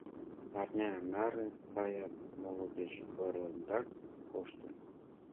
Арня наре Фая моло деч ойырленрак коштын.